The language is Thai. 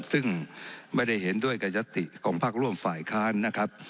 ซึ่งไม่ได้เห็นด้วยกับยัตติของภาคร่วมฝ่ายค้านนะครับ